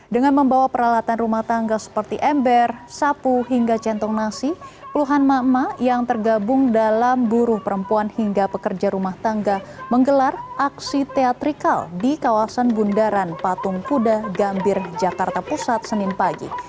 dengan membawa peralatan rumah tangga seperti ember sapu hingga centong nasi puluhan emak emak yang tergabung dalam buruh perempuan hingga pekerja rumah tangga menggelar aksi teatrikal di kawasan bundaran patung kuda gambir jakarta pusat senin pagi